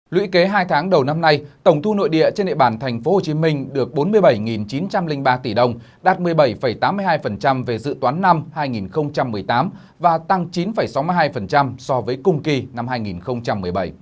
lũy kế hai tháng đầu năm nay tổng thu nội địa trên địa bàn tp hcm được bốn mươi bảy chín trăm linh ba tỷ đồng đạt một mươi bảy tám mươi hai về dự toán năm hai nghìn một mươi tám và tăng chín sáu mươi hai so với cùng kỳ năm hai nghìn một mươi bảy